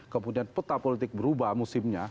kemudian peta politik berubah musimnya